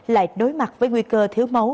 lại đối mặt với nguy cơ thiếu máu